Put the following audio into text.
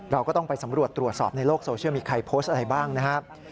เราก็ต้องไปสำรวจตรวจสอบในโลกโซเชียลมีใครโพสต์อะไรบ้างนะครับ